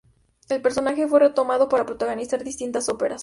El personaje fue retomado para protagonizar distintas óperas.